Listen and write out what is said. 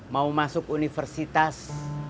mau masuk universitas